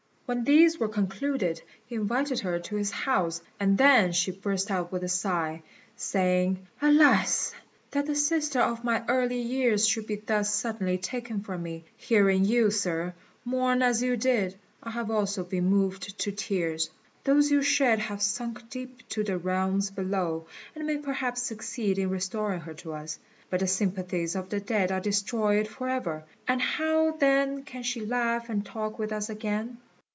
When these were concluded he invited her to his house, and then she burst out with a sigh, saying, "Alas! that the sister of my early years should be thus suddenly taken from me. Hearing you, Sir, mourn as you did, I have also been moved to tears. Those you shed have sunk down deep to the realms below, and may perhaps succeed in restoring her to us; but the sympathies of the dead are destroyed for ever, and how then can she laugh and talk with us again?"